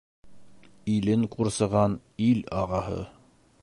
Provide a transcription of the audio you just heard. Илен ҡурсыған ил ағаһы.